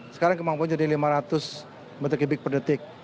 sekarang kemampuan jadi lima ratus meter kubik per detik